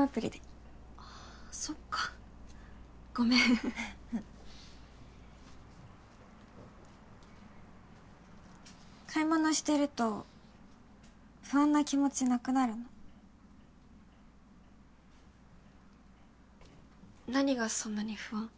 アプリでああそっかごめん買い物してると不安な気持ちなくなるの何がそんなに不安？